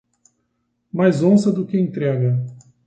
Mais onça do que entrega.